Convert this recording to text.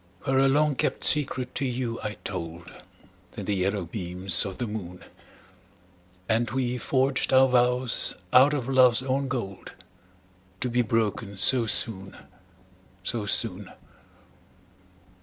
Where a long kept secret to you I told, In the yellow beams of the moon, And we forged our vows out of love's own gold, To be broken so soon, so soon!